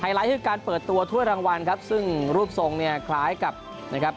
ไลท์คือการเปิดตัวถ้วยรางวัลครับซึ่งรูปทรงเนี่ยคล้ายกับนะครับ